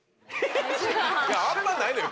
いやあんまないのよ